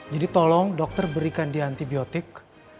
jadi tolong dokter berikan dia antibiotik